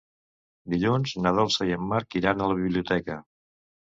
Dilluns na Dolça i en Marc iran a la biblioteca.